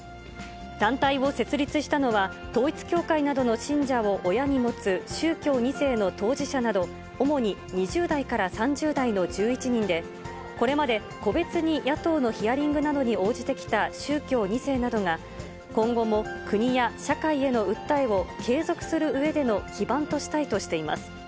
団体を設立したのは、統一教会などの信者を親に持つ宗教２世の当事者など、主に２０代から３０代の１１人で、これまで個別に野党のヒアリングなどに応じてきた宗教２世などが、今後も国や社会への訴えを継続するうえでの基盤としたいとしています。